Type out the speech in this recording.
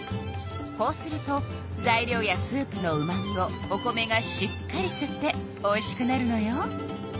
こうすると材料やスープのうまみをお米がしっかりすっておいしくなるのよ。